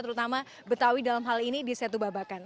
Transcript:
terutama betawi dalam hal ini di setu babakan